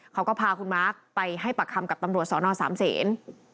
เขาก็พาคุณมาร์คไปให้ปากคำกับตำรวจสอนอสามเศษ